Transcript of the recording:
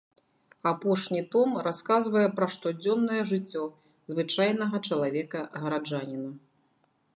Апошні том расказвае пра штодзённае жыццё звычайнага чалавека-гараджаніна.